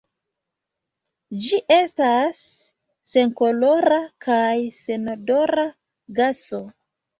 Ĝi estas senkolora kaj senodora gaso.